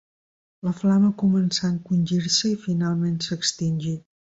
La flama començà a encongir-se i finalment s'extingí.